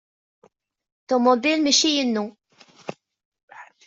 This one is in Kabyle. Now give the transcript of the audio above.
Ṭumubil-a mačči inu.